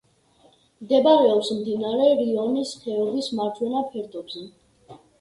მდებარეობს მდინარე რიონის ხეობის მარჯვენა ფერდობზე.